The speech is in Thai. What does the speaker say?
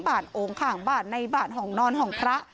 บาตโอ๋งข่างบาตในบาตห่องนอนห่องพระ